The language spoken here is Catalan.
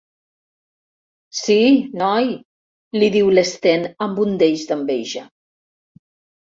Sí, noi —li diu l'Sten amb un deix d'enveja—.